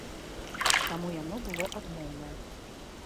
Таму яно было адмоўнае.